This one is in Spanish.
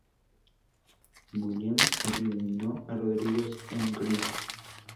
Mullen, eliminó a Rodríguez en Grind.